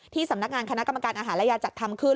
สำนักงานคณะกรรมการอาหารและยาจัดทำขึ้น